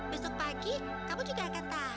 besok pagi kamu juga tidur